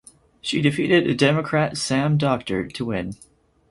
She defeated Democrat Sam Doctor to win.